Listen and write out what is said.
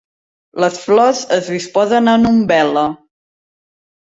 Les flors es disposen en umbel·la.